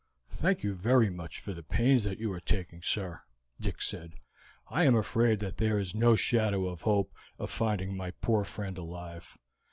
"Thank you very much for the pains that you are taking, sir," Dick said. "I am afraid that there is no shadow of hope of finding my poor friend alive.